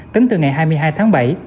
tính từ ngày hai mươi hai tháng bảy